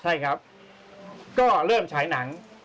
ใช่ครับก็เริ่มฉายหนัง